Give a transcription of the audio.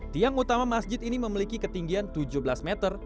tiang utama masjid ini memiliki ketinggian tujuh belas meter